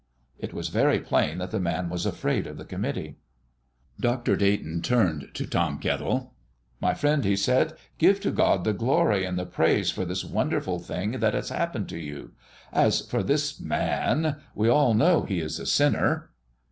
It was very plain that the man was afraid of the committee. Dr. Dayton turned to Tom Kettle. "My friend," he said, "give to God the glory and the praise for this wonderful thing that has happened to you. As for this Man we all know He is a sinner."